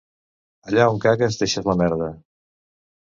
Allà on cagues deixes la merda.